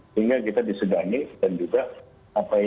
sehingga kita disudangi dan juga apa yang